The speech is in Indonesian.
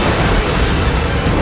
aku harus mengerahkan seluruh kemampuanku